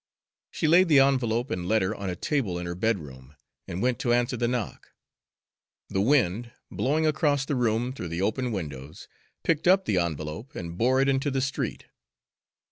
She laid the envelope and letter on a table in her bedroom, and went to answer the knock. The wind, blowing across the room through the open windows, picked up the envelope and bore it into the street.